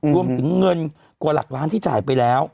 รวมถึงเงินกว่าหลักล้านที่จ่ายไปแล้ว